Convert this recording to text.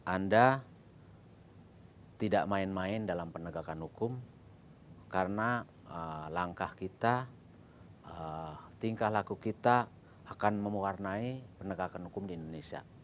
anda tidak main main dalam penegakan hukum karena langkah kita tingkah laku kita akan mewarnai penegakan hukum di indonesia